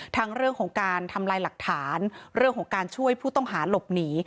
ทั้งเรื่องของการทำลายหลักฐานเรื่องของการช่วยผู้ต้องหาหลบหนี